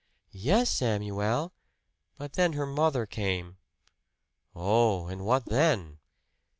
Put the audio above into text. "Yes, Samuel; but then her mother came." "Oh! And what then?"